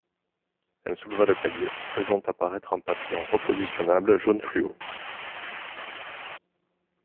Elle souleva le clavier, faisant apparaître un papillon repositionnable jaune fluo.